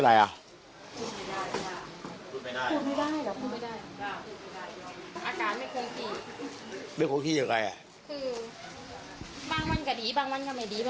บางวันก็ดีบางที่นี่แบบนี้